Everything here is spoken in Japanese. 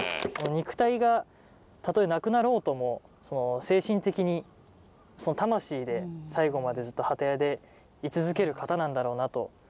肉体がたとえなくなろうとも精神的に魂で最後までずっと機屋で居続ける方なんだろうなと。